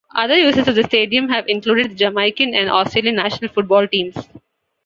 Other users of the stadium have included the Jamaican and Australian national football teams.